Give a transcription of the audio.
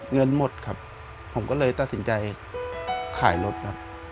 เงินหมดครับผมก็เลยตัดสินใจขายรถครับ